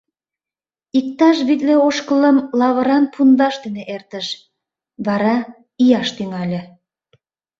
Иктаж витле ошкылым лавыран пундаш дене эртыш, вара ияш тӱҥале...